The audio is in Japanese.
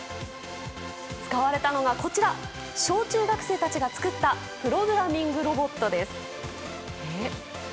使われたのがこちら小中学生たちが作ったプログラミングロボットです。